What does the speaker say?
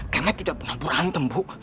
karena tidak pernah berantem bu